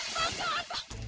bang jangan bang